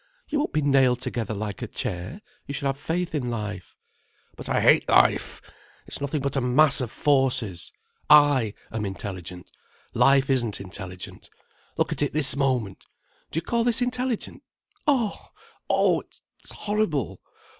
"You won't be nailed together like a chair. You should have faith in life." "But I hate life. It's nothing but a mass of forces. I am intelligent. Life isn't intelligent. Look at it at this moment. Do you call this intelligent? Oh—Oh! It's horrible!